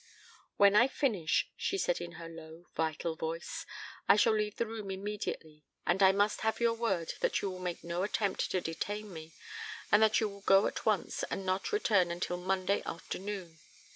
"When I finish," she said in her low vital voice, "I shall leave the room immediately and I must have your word that you will make no attempt to detain me, and that you will go at once and not return until Monday afternoon.